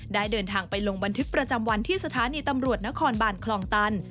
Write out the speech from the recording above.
เดินทางไปลงบันทึกประจำวันที่สถานีตำรวจนครบานคลองตัน